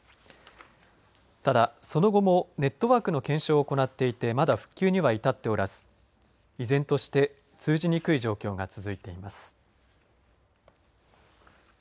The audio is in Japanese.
ただ、その後もネットワークの検証を行っていてまだ復旧には至っておらず依然として通じにくい状況が続いています。